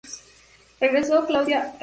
Regresó Cláudia Raia.